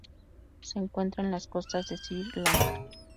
Se encuentra en las costas de Sri Lanka.